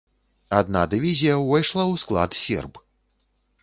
Адна дывізія ўвайшла ў склад серб.